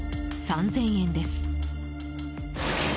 ３０００円です。